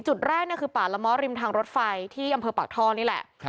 จุดแรกคือป่าละม้อริมทางรถไฟที่อำเภอปากท่อนี่แหละ